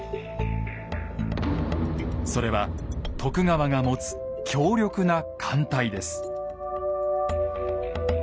それは徳川が持つ強力な艦隊です。